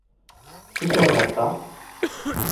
いくらだった。